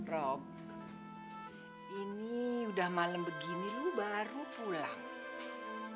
rob ini udah malam begini lu baru pulang